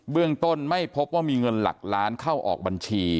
เรื่องต้นไม่พบว่ามีเงินหลักล้านเข้าออกบัญชี